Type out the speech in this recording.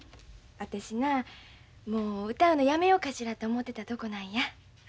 私なもう歌うのやめよかしらと思うてたとこなんや。